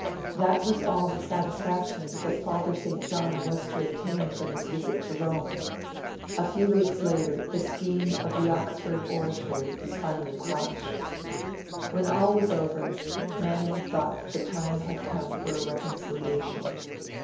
That was all the satisfaction that Father St. John was to obtain from his visit to Rome. A few weeks later, the scheme of the Oxford Oratory was finally quashed. When all was over, Manning thought that the time had come for a reconciliation.